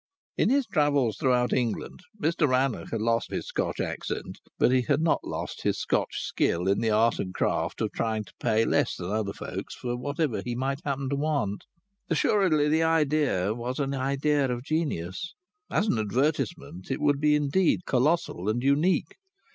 In his travels throughout England Mr Rannoch had lost most of his Scotch accent, but he had not lost his Scotch skill in the art and craft of trying to pay less than other folks for whatever he might happen to want. Assuredly the idea was an idea of genius. As an advertisement it would be indeed colossal and unique.